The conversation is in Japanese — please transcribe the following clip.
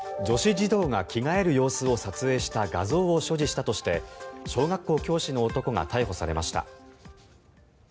女子児童が着替える様子を撮影した画像を所持したとして小学校教師の男が逮捕されました。